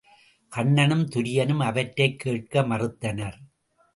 கன்னனும் துரியனும் அவற்றைக் கேட்க மறுத்தனர்.